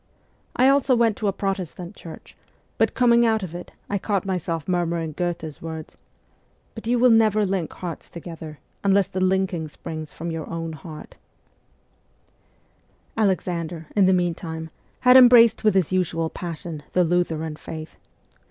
I also went to a Protestant church; but coming out of it I caught myself murmuring Goethe's words : But you will never link hearts together Unless the linking springs from your own heart. THE CORPS OF PAGES 113 Alexander, in the meantime, had embraced with his usual passion the Lutheran faith.